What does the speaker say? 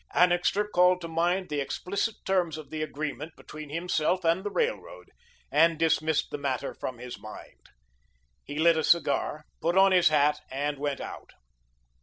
Annixter called to mind the explicit terms of the agreement between himself and the railroad, and dismissed the matter from his mind. He lit a cigar, put on his hat and went out.